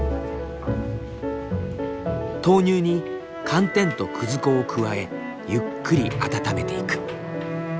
豆乳に寒天とくず粉を加えゆっくり温めていく。